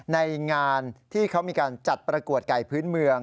ในงานที่เขามีการจัดประกวดไก่พื้นเมือง